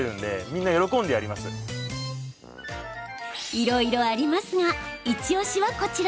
いろいろありますがイチおしはこちら！